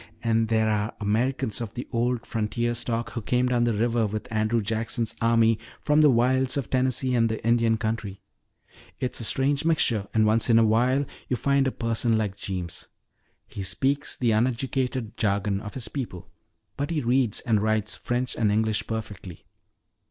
And there are Americans of the old frontier stock who came down river with Andrew Jackson's army from the wilds of Tennessee and the Indian country. It's a strange mixture, and once in a while you find a person like Jeems. He speaks the uneducated jargon of his people but he reads and writes French and English perfectly.